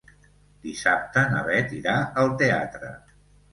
Dissabte na Beth irà al teatre.